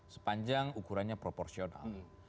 sepanjang ukurannya proporsional